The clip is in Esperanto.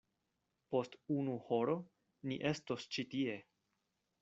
Post unu horo ni estos ĉi tie.